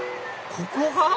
ここが？